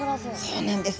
そうなんです。